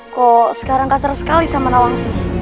kok sekarang kasar sekali sama nawang sih